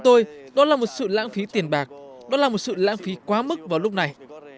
tôi đó là một sự lãng phí tiền bạc đó là một sự lãng phí quá mức vào lúc này